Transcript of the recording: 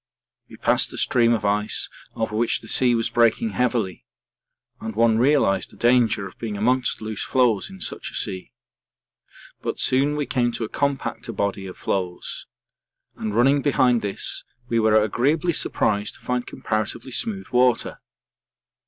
We passed a stream of ice over which the sea was breaking heavily and one realised the danger of being amongst loose floes in such a sea. But soon we came to a compacter body of floes, and running behind this we were agreeably surprised to find comparatively smooth water.